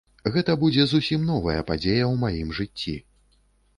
Гэта будзе зусім новая падзея ў маім жыцці.